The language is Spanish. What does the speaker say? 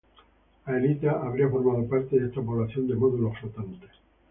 Aelita habría formado parte de esta población de módulos flotantes.